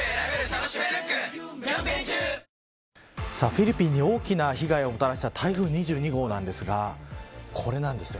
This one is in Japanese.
フィリピンに大きな被害をもたらした台風２２号ですがこれなんです。